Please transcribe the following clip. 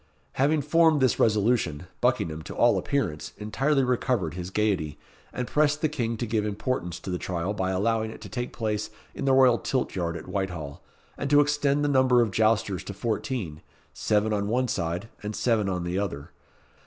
Having formed this resolution, Buckingham, to all appearance, entirely recovered his gaiety, and pressed the King to give importance to the trial by allowing it to take place in the royal tilt yard at Whitehall, and to extend the number of jousters to fourteen seven on one side, and seven on the other.